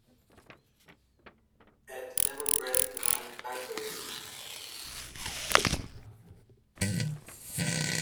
add Devil Pray to my party list